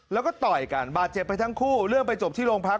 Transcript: แล้วก็ต่อยกันบาดเจ็บไปทั้งคู่เรื่องไปจบที่โรงพัก